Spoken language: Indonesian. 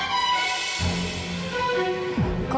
oh ya allah